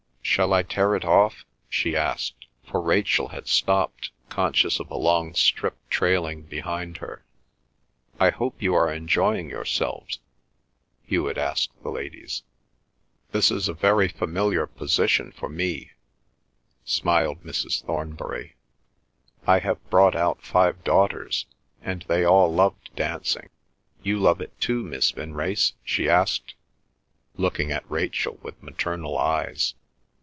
—Shall I tear it off?" she asked, for Rachel had stopped, conscious of a long strip trailing behind her. "I hope you are enjoying yourselves?" Hewet asked the ladies. "This is a very familiar position for me!" smiled Mrs. Thornbury. "I have brought out five daughters—and they all loved dancing! You love it too, Miss Vinrace?" she asked, looking at Rachel with maternal eyes.